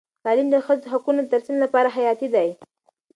تعلیم د ښځو د حقونو د ترسیم لپاره حیاتي دی.